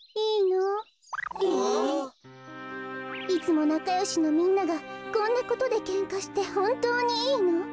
いつもなかよしのみんながこんなことでけんかしてほんとうにいいの？